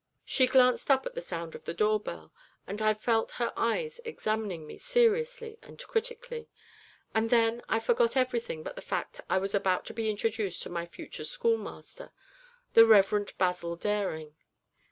She glanced up at the sound of the door bell, and I felt her eyes examining me seriously and critically, and then I forgot everything but the fact that I was about to be introduced to my future schoolmaster, the Rev. Basil Dering.